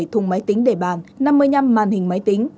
năm mươi bảy thùng máy tính để bàn năm mươi năm màn hình máy tính